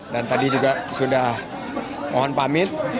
dan tadi juga sudah mohon pamit